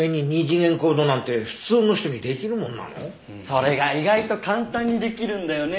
それが意外と簡単にできるんだよね。